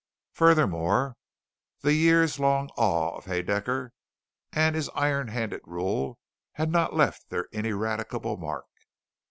Furthermore, the years long awe of Haedaecker and his iron handed rule had not left their ineradicable mark.